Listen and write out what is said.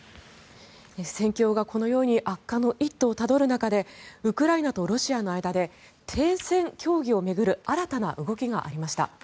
戦況がこのように悪化の一途をたどる中でウクライナとロシアの間で停戦協議を巡る新たな動きがありました。